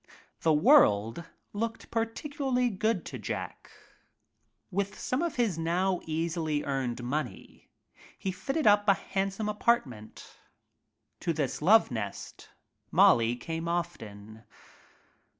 The world looked particularly good to Jack. With some of his now easily earned money he fitted ^p a handsome apartment. To this love nest Molly came often.